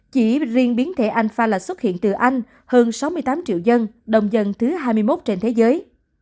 chỉ riêng biến thể anh fala xuất hiện từ anh hơn sáu mươi tám triệu dân đông dân thứ hai mươi một trên thế giới